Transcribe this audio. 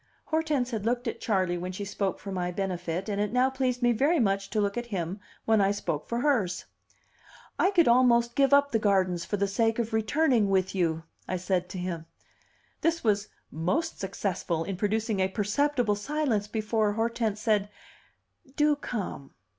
Hortense had looked at Charley when she spoke for my benefit, and it now pleased me very much to look at him when I spoke for hers. "I could almost give up the gardens for the sake of returning with you," I said to him. This was most successful in producing a perceptible silence before Hortense said, "Do come."